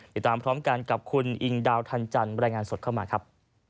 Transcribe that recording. ติดตามพร้อมกันกับคุณอิงดาวทันจันทร์รายงานสดเข้ามาครับ